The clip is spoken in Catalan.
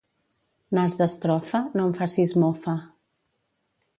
Nas d'estrofa, no en facis mofa.